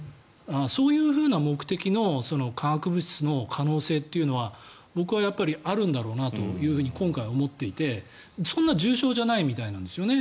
そういうふうな目的の化学物質の可能性というのは僕はやっぱりあるんだろうなと今回思っていてそんな重症じゃないみたいなんですよね。